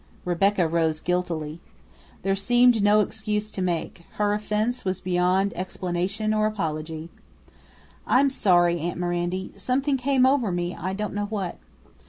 Rebecca rose guiltily. There seemed no excuse to make. Her offense was beyond explanation or apology. "I'm sorry, aunt Mirandy something came over me; I don't know what."